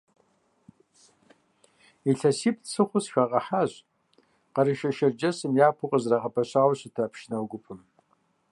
ИлъэсиплӀ сыхъуу сыхагъэхьащ Къэрэшей-Шэрджэсым япэу къыщызэрагъэпэщауэ щыта пшынауэ гупым.